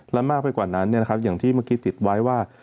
และมากไปกว่านั้นอย่างที่เมื่อกี้ติดไว้ว่า